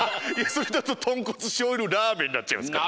それだととんこつしょうゆラーメンになっちゃいますから。